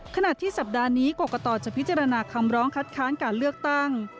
ขณะที่สัปดาห์นี้กรกตจะพิจารณาคำร้องคัดค้านการเลือกตั้ง